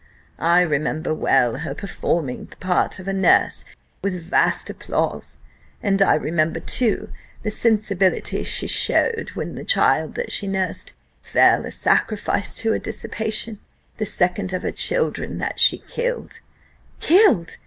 I remember well her performing the part of a nurse with vast applause; and I remember, too, the sensibility she showed, when the child that she nursed fell a sacrifice to her dissipation. The second of her children, that she killed " "Killed!